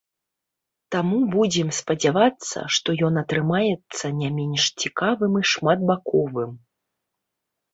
Таму будзем спадзявацца, што ён атрымаецца не менш цікавым і шматбаковым.